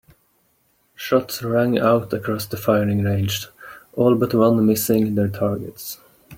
Shots rang out across the firing range, all but one missing their targets.